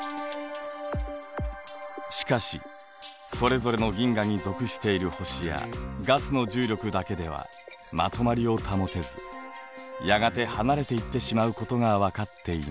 しかしそれぞれの銀河に属している星やガスの重力だけではまとまりを保てずやがて離れていってしまうことが分かっています。